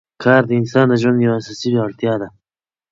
کار د انسان د ژوند یوه اساسي اړتیا ده